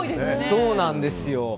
そうなんですよ。